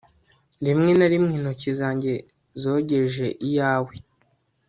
Rimwe na rimwe intoki zanjye zogeje iyawe